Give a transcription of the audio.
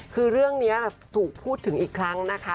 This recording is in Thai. คือเรื่องนี้ถูกพูดถึงอีกครั้งนะคะ